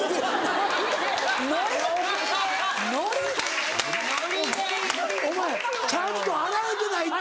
ノリ？ノリ？ノリ？お前ちゃんと洗えてないって。